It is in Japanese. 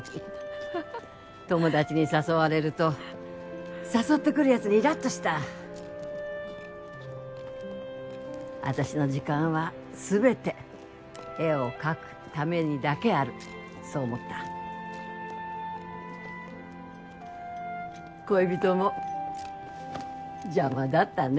フフフフ友達に誘われると誘ってくるやつにイラッとした私の時間は全て絵を描くためにだけあるそう思った恋人も邪魔だったね